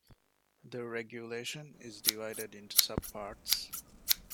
The regulation is divided into subparts.